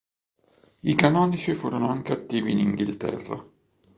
I Canonici furono anche attivi in Inghilterra.